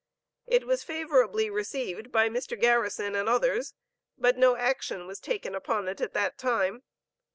It was favorably received by Mr. Garrison and others, but no action was taken upon it at that time.